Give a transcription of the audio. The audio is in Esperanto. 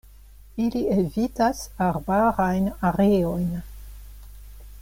Ili evitas arbarajn areojn.